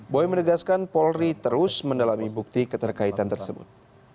boy menegaskan polri terus mendalami bukti keterkaitan tersebut